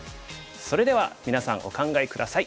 それではみなさんお考え下さい。